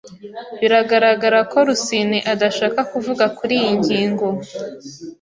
Biragaragara ko Rusine adashaka kuvuga kuriyi ngingo.